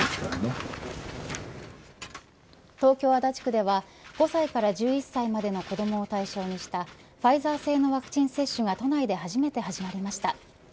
東京、足立区では５歳から１１歳までの子どもを対象にしたファイザー製のワクチン接種が都内で初めて始まりました。